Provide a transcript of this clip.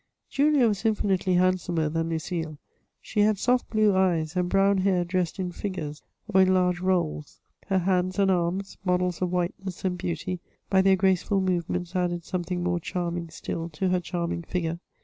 • Julia was infinitely handsomer than Lucile ; she had soft blue eyes, and brown hair dressed in figures or in large rolls. CHATEAUBRIAND . 155 Her hands and arms, models of whiteness and beauty, by their graceful movements added something more charming still to her charming figure.